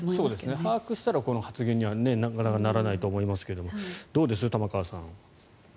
把握したらこの発言にはならないと思いますがどうですか、玉川さん。